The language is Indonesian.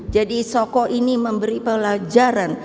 jadi soko ini memberi pelajaran